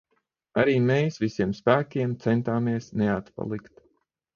Arī mēs visiem spēkiem centāmies neatpalikt.